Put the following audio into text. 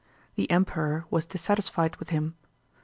The Emperor was dissatisfied with him.